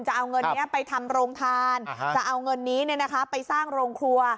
จะเอาเงินนี้ไปทำโรงทานจะเอาเงินนี้ไปสร้างโรงครัว